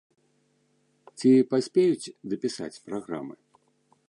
Ці паспеюць дапісаць праграмы?